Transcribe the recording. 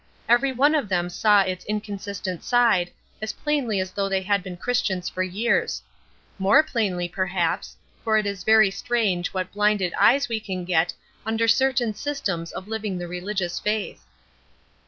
Every one of them saw its inconsistent side as plainly as though they had been Christians for years; more plainly, perhaps, for it is very strange what blinded eyes we can get under certain systems of living the religious faith.